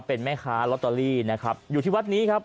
เป็นแม่ค้าลอตเตอรี่นะครับอยู่ที่วัดนี้ครับ